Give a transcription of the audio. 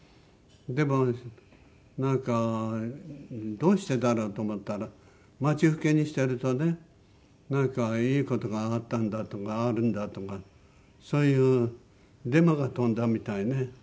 でもなんかどうしてだろうと思ったら待ち受けにしてるとねなんかいい事があったんだとかあるんだとかそういうデマが飛んだみたいね。